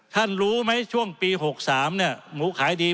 ท่านรู้ไหมช่วงปี๖๓เนี่ยหมูขายดี